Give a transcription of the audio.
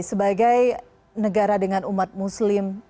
sebagai negara dengan umat muslim